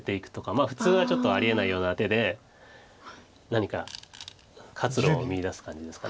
まあ普通はちょっとありえないような手で何か活路を見いだす感じですか。